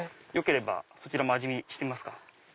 よければそちらも味見してみますか？